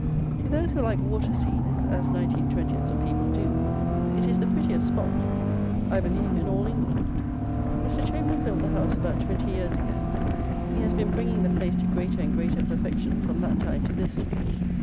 To those who like water scenes (as nineteen twentieths of people do) it is the prettiest spot, I believe, in all England. Mr. Chamberlayne built the house about twenty years ago. He has been bringing the place to greater and greater perfection from that time to this.